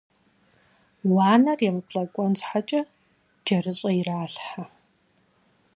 Уанэр емыплӏэкӏуэн щхьэкӏэ джэрыщӏэ иралъхьэ.